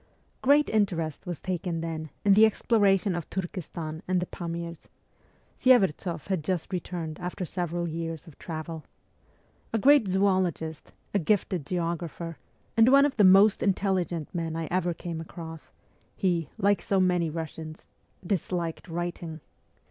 Great interest was taken then in the exploration of Turkestan and the Pamirs. Sye'vertsoff had just re turned after several years of travel. A great zoologist, a gifted geographer, and one of the most intelligent men I ever came across, he, like so many Eussians, 8 MEMOIRS OF A REVOLUTIONIST disliked writing.